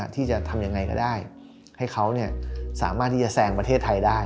ที่จะทำยังไงก็ได้ให้เขาสามารถที่จะแซงประเทศไทยได้